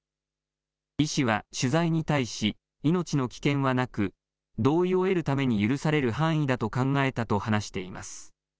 医師は取材に対し、命の危険はなく、同意を得るために許される範囲だと考えたと話しています。